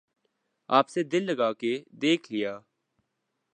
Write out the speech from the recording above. آپ سے دل لگا کے دیکھ لیا